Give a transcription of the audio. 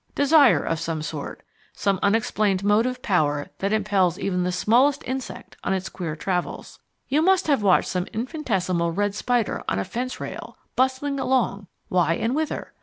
Desire of some sort some unexplained motive power that impels even the smallest insect on its queer travels. You must have watched some infinitesimal red spider on a fence rail, bustling along why and whither?